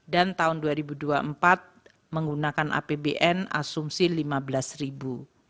dan tahun dua ribu dua puluh empat menggunakan apbn asumsi rp lima belas